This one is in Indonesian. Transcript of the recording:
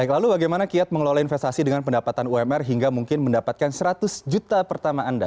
lalu bagaimana kiat mengelola investasi dengan pendapatan umr hingga mungkin mendapatkan seratus juta pertama anda